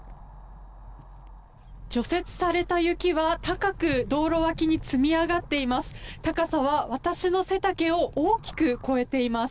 除雪された雪は高く道路脇に積み上がっています。